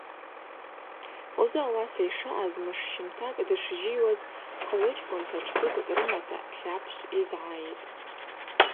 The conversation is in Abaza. Ужвы ауаса йшаъаз мыш щымтакӏ дышжьийуаз хгӏвычкӏвынчва тшбыгкӏ рымата Тлапшв йызгӏайитӏ.